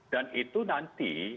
dan itu nanti